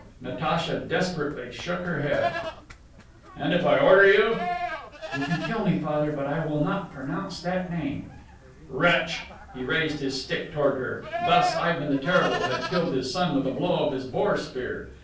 Natacha desperately shook her head. "And if I order you?" "You can kill me, Father, but I will not pronounce that name." "Wretch!" He raised his stick toward her. Thus Ivan the Terrible had killed his son with a blow of his boar spear.